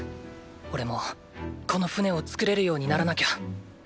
おれもこの船を作れるようにならなきゃ。